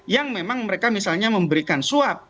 yang memang mereka misalnya memberikan suap